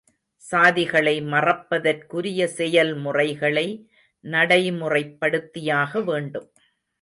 சாதிகளை மறப்பதற்குரிய செயல்முறைகளை நடைமுறைப்படுத்தியாக வேண்டும்.